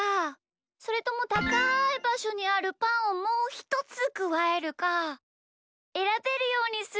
それともたかいばしょにあるパンをもうひとつくわえるかえらべるようにするの。